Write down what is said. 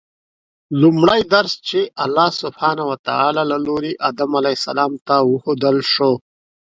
لومړی درس چې الله سبحانه وتعالی له لوري آدم علیه السلام ته وښودل شو